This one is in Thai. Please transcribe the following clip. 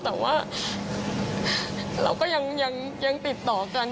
แต่ว่าเราก็ยังติดต่อกัน